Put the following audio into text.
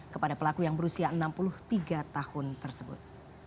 kepada pelaku yang berusia enam puluh tiga tahun tersebut